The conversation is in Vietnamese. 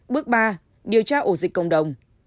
bước ba điều tra ổ dịch cộng đồng